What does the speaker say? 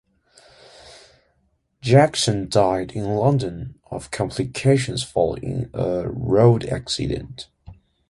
Jackson died in London of complications following a road accident.